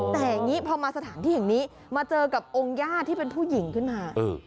แต่อย่างนี้พอมาสถานที่แห่งนี้มาเจอกับองค์ย่าที่เป็นผู้หญิงขึ้นมา